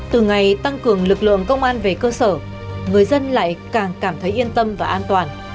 từ ngày tăng cường lực lượng công an về cơ sở người dân lại càng cảm thấy yên tâm và an toàn